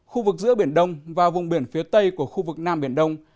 khu vực giữa biển đông và vùng biển phía tây của khu vực nam biển đông